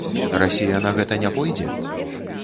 Расія на гэта не пойдзе?